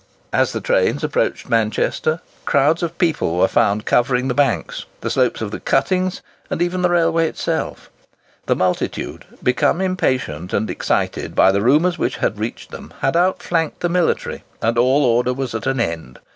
As the trains approached Manchester, crowds of people were found covering the banks, the slopes of the cuttings, and even the railway itself. The multitude, become impatient and excited by the rumours which reached them, had outflanked the military, and all order was at an end.